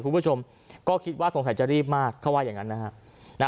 คุณผู้ชมก็คิดว่าสงสัยจะรีบมากเขาว่าอย่างนั้นนะฮะ